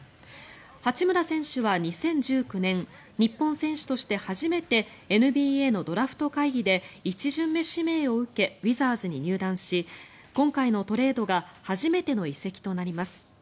八村選手は２０１９年日本選手として初めてＮＢＡのドラフト会議で１巡目指名を受けウィザーズに入団し今回のトレードが初めての移籍となります。